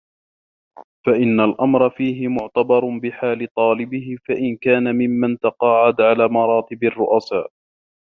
فَإِنَّ الْأَمْرَ فِيهِ مُعْتَبَرٌ بِحَالِ طَالِبِهِ فَإِنْ كَانَ مِمَّنْ تَقَاعَدَ عَلَى مَرَاتِبِ الرُّؤَسَاءِ